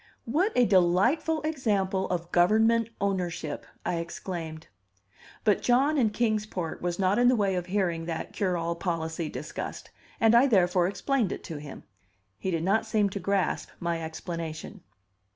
"What a delightful example of government ownership!" I exclaimed. But John in Kings Port was not in the way of hearing that cure all policy discussed, and I therefore explained it to him. He did not seem to grasp my explanation.